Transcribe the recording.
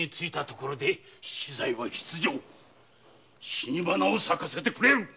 死に花を咲かせてくれる。